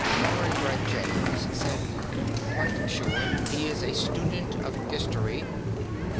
Warren Brett James said, "Quite sure. He is a student of history."